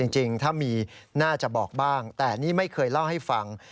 จริงถ้ามีน่าจะบอกบ้างแต่นี่ไม่เคยเล่าให้ฟัง